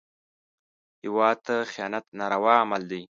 هېواد ته خیانت ناروا عمل دی